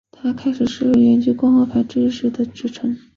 他开始失去原本共和派支持者的支持。